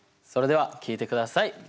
それでは聴いて下さい。